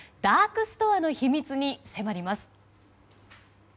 ダークストアの秘密に迫ります。